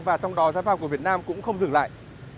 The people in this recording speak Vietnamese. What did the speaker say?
và trong đó giá vàng của việt nam cũng không dừng lại